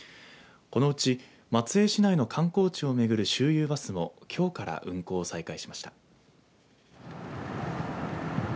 このうち松江市内の観光地をめぐる周遊バスをきょうから運行を再開しました。